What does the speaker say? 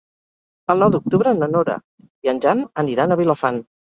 El nou d'octubre na Nora i en Jan aniran a Vilafant.